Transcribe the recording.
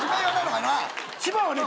千葉はね